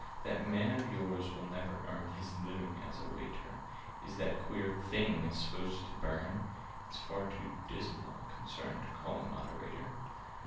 "That man of yours will never earn His living as a waiter! Is that queer thing supposed to burn? (It's far too dismal a concern To call a Moderator).